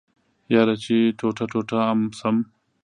يره چې ټوټه ټوټه ام شم.